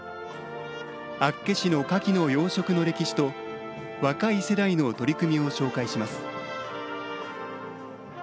厚岸のカキの養殖の歴史と若い世代の取り組みを紹介します。